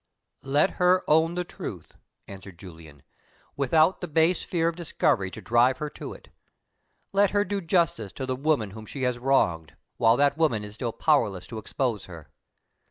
"Let her own the truth," answered Julian, "without the base fear of discovery to drive her to it. Let her do justice to the woman whom she has wronged, while that woman is still powerless to expose her.